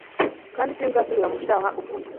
kandi sinzasubira mu byaha ukundi,